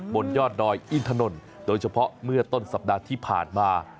บนยอดดอยอินถนนโดยเฉพาะเมื่อต้นสัปดาห์ที่ผ่านมา